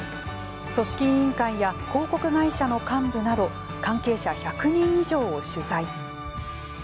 組織委員会や広告会社の幹部など関係者１００人以上を取材。